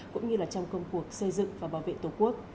cũng như trong công cuộc xây dựng và bảo vệ tổ quốc